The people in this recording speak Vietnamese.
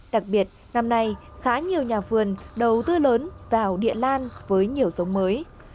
đặc biệt năm nay khá nhiều nhà vườn đầu tư lớn vào địa lan với nhiều giống mới